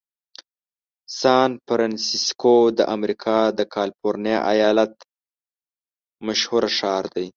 سان فرنسیسکو د امریکا کالفرنیا ایالت مشهوره ښار دی.